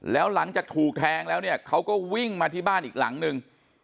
แล้วหลังจากถูกแทงแล้วเนี่ยเขาก็วิ่งมาที่บ้านอีกหลังนึง